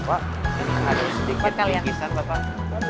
bapak ini ada sedikit pengisian bapak